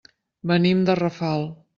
Venim de Rafal.